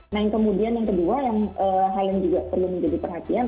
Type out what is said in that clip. nah yang kemudian yang kedua yang hal yang juga perlu menjadi perhatian